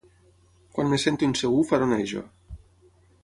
Quan em sento insegur faronejo.